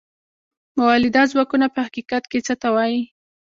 مؤلده ځواکونه په حقیقت کې څه ته وايي؟